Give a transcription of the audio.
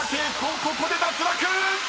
ここで脱落！］